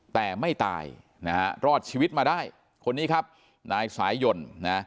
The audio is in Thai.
แต่ไม่ตายนะฮะรอดชีวิตมาได้คนนี้ครับนายสายยนต์นะ